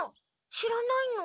知らないの？